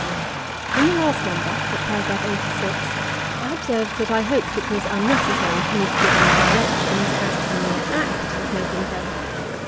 101. In the last number, at Paragraph 86, I observed that I hoped it was unnecessary for me to give any directions as to the mere act of making bread.